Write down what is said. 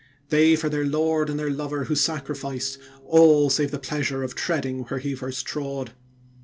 They, for their Lord and their Lover who sacrificed All, save the pleasure of treading where He first trod.